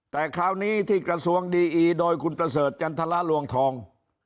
แต่คราวนี้ที่กระทรวงดีอีโดยคุณประเสริฐจันทรลวงทอง